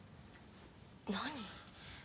何？